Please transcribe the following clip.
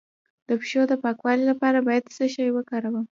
د پښو د پاکوالي لپاره باید څه شی وکاروم؟